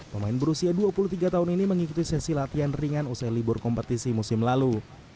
pemain berusia dua puluh tiga tahun ini mengikuti sesi latihan ringan usai libur kompetisi musim lalu